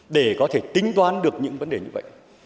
để có thể tính toán được những vấn đề như vậy